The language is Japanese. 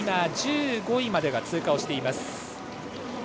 １５位までが通過しています。